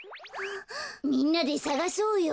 みんなでさがそうよ。